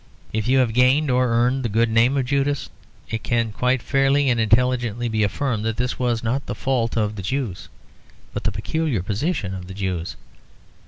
If you have gained or earned the good name of Judas, it can quite fairly and intelligently be affirmed that this was not the fault of the Jews, but of the peculiar position of the Jews.